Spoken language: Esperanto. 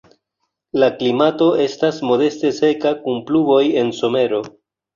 La klimato estas modeste seka kun pluvoj en somero.